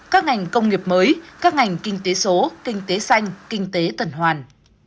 các ngành công nghiệp mới các ngành kinh tế số kinh tế xanh kinh tế tần hoàn